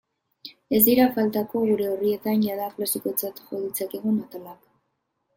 Ez dira faltako gure orrietan jada klasikotzat jo ditzakegun atalak.